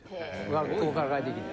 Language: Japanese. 学校から帰ってきて。